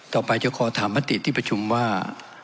ต่อไปจะขอถามมติที่ประชุมว่า